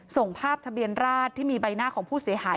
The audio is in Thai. ส่งภาพทะเบียนราชที่มีใบหน้าของผู้เสียหาย